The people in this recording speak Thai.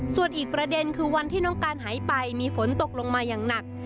ส่วนอีกประเด็นคือวันที่น้องการหายไปมีฝนตกลงมาอย่างหนัก